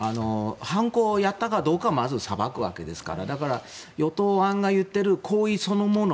犯行をやったかどうかをまず裁くわけですからだから、与党案が言っている行為そのもの